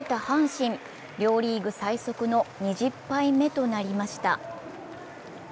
一方、敗れた阪神、両リーグ最速の２０敗目となりました。